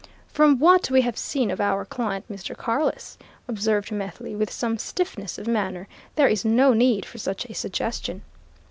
"From what we have seen of our client, Mr. Carless," observed Methley, with some stiffness of manner, "there is no need for such a suggestion."